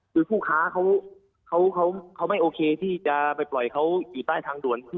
คือผู้ค้าเขาไม่โอเคที่จะไปปล่อยเขาอยู่ใต้ทางด่วน